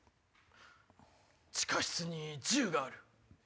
地下室に銃がある。